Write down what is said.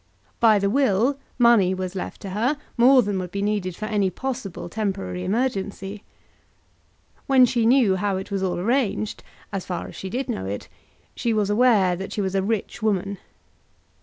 By the will money was left to her, more than would be needed for any possible temporary emergency. When she knew how it was all arranged, as far as she did know it, she was aware that she was a rich woman.